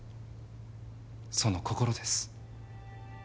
その心です。